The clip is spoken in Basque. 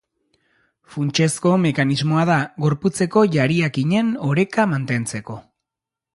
Funtsezko mekanismoa da gorputzeko jariakinen oreka mantentzeko.